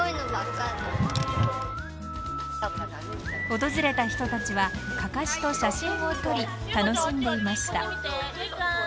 訪れた人たちはかかしと写真を撮り楽しんでいました。